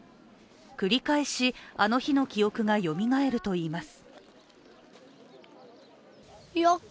繰り返し、あの日の記憶がよみがえるといいます。